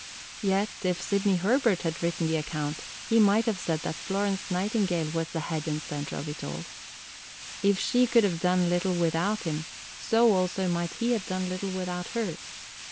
Yet if Sidney Herbert had written the account, he might have said that Florence Nightingale was the head and centre of it all. If she could have done little without him, so also might he have done little without her.